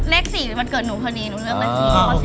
เล็ก๔ภายใดวันเกิดหนูคือดีหนูเลือกเล็กสี่ข้อ๔